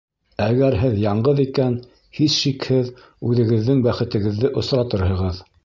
Әгәр һеҙ яңғыҙ икән, һис шикһеҙ үҙегеҙҙең бәхетегеҙҙе осратырһығыҙ.